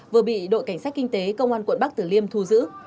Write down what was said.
vừa bị đội cảnh sát kinh tế công an quận bắc tử liêm thu giữ